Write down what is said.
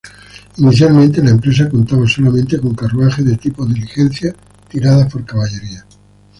Inicialmente, la empresa contaba solamente con carruajes de tipo diligencia tiradas por caballería.